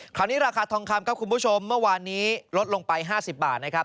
ราคาทองคำครับคุณผู้ชมเมื่อวานนี้ลดลงไป๕๐บาทนะครับ